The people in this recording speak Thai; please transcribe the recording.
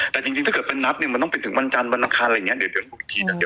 แต่จริงถ้าเกิดเป็นนับหนึ่งมันต้องไปถึงวันจันทร์บรรทางอะไรอย่างนี้